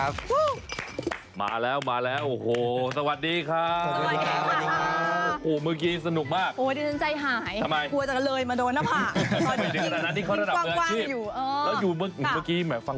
ค่ะสวัสดียังเป็นทางการชื่ออะไรกันบ้าง